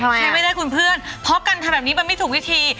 ใช้ไม่ได้คุณเพื่อนเพราะการทำแบบนี้มันไม่ถูกวิธี